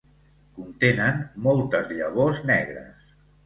Contenen moltes llavors negres.